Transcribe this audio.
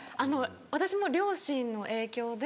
私も両親の影響で。